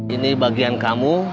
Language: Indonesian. ini bagian kamu